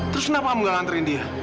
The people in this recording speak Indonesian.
terus kenapa kamu gak nganterin dia